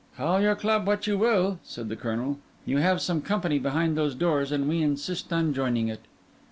"Call your Club what you will," said the Colonel, "you have some company behind these doors, and we insist on joining it."